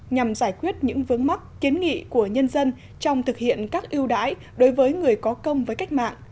nhằm giải quyết những vướng mắc kiến nghị của nhân dân trong thực hiện các ưu đãi đối với người có công với cách mạng